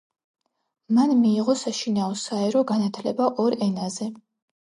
მან მიიღო საშინაო საერო განათლება ორ ენაზე.